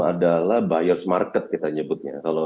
adalah buyers market kita nyebutnya